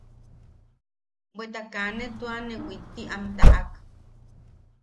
Bweta kaa ne tua ne witti am taʼak.